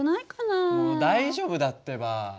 もう大丈夫だってば。